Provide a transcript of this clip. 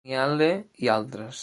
Neale i altres.